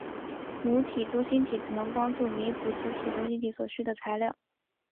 母体中心体只能帮助弥补子体中心体所需的材料。